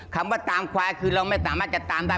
คำว่าตามควายคือเราไม่สามารถจะตามได้